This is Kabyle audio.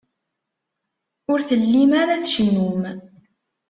Ur tellim ara tcennum.